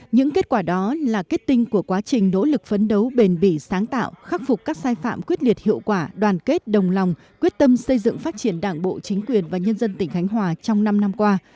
những kết quả đó là kết tinh của quá trình nỗ lực phấn đấu bền bỉ sáng tạo khắc phục các sai phạm quyết liệt hiệu quả đoàn kết đồng lòng quyết tâm xây dựng phát triển đảng bộ chính quyền và nhân dân tỉnh khánh hòa trong năm năm qua